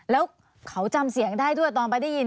แล้วเขาจำเสียงได้ด้วยตอนไปได้ยิน